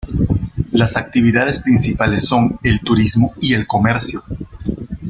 Las actividades principales son el turismo y el comercio.